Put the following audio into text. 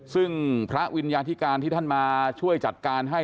ซึ่งพระวิญญาธิการที่ท่านมาช่วยจัดการให้